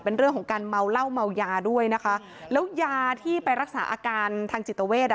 เป็นเรื่องของการเมาเหล้าเมายาด้วยนะคะแล้วยาที่ไปรักษาอาการทางจิตเวทอ่ะ